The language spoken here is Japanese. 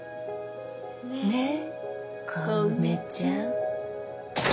ねっ小梅ちゃん。